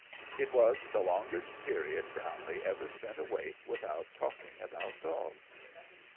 It was the longest period Brownlee ever spent awake without talking about dog.